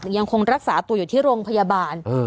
ยังคงรักษาตัวอยู่ที่โรงพยาบาล